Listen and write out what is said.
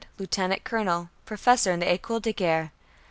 Lieutenant colonel. Professor in École de Guerre.